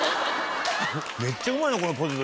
めっちゃうまいなこのポテト。